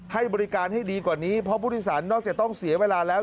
ให้บริการให้ดีกว่านี้เพราะผู้โดยสารนอกจากต้องเสียเวลาแล้ว